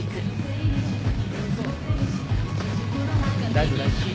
大丈夫大丈夫。